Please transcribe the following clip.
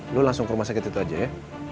lu langsung ke rumah sakit itu aja ya